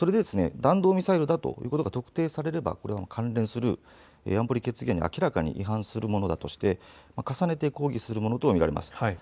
弾道ミサイルだということが特定されれば関連する安保理決議案に明らかに違反するものだとして重ねて抗議するものと見られます。